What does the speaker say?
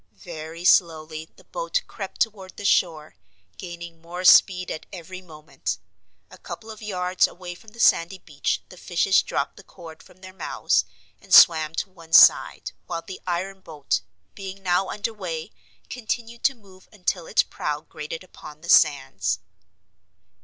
Very slowly the boat crept toward the shore, gaining more speed at every moment. A couple of yards away from the sandy beach the fishes dropped the cord from their mouths and swam to one side, while the iron boat, being now under way, continued to move until its prow grated upon the sands.